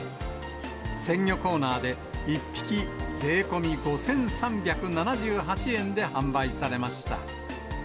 鮮魚コーナーで、１匹税込み５３７８円で販売されました。